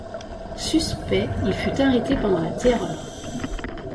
Suspect, il fut arrêté pendant la Terreur.